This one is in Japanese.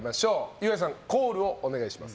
岩井さん、コールをお願いします。